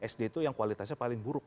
sd itu yang kualitasnya paling buruk